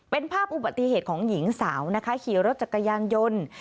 เป็นภาพอุบัติเหตุของหญิงสาวนะคะขี่รถจักรยานยนต์